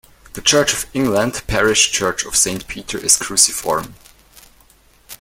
The Church of England parish church of Saint Peter is cruciform.